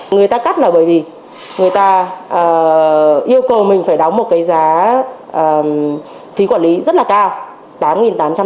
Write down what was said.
người ta cắt là bởi vì người ta yêu cầu mình phải đóng một cái giá thí quản lý rất là cao